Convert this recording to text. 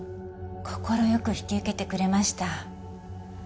快く引き受けてくれました。